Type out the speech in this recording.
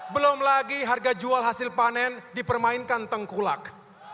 belum lagi harga jual hasil panen dipermainkan tengkulak